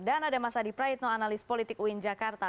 dan ada mas adi praetno analis politik uin jakarta